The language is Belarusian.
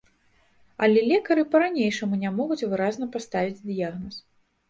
Але лекары па-ранейшаму не могуць выразна паставіць дыягназ.